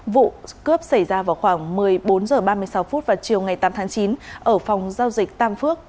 vụ cướp xảy ra vào khoảng một mươi bốn h ba mươi sáu vào chiều ngày tám tháng chín ở phòng giao dịch tam phước